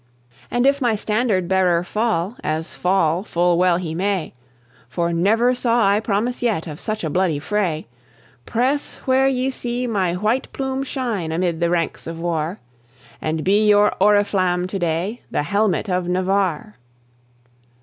"And if my standard bearer fall, as fall full well he may, For never saw I promise yet of such a bloody fray, Press where ye see my white plume shine, amid the ranks of war, And be your oriflamme to day the helmet of Navarre."